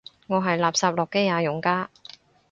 我係垃圾諾基亞用家